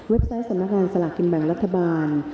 ไซต์สำนักงานสลากกินแบ่งรัฐบาล